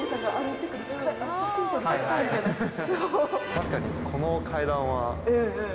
確かにこの階段は。